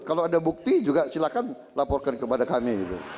kalau ada bukti juga silakan laporkan kepada kami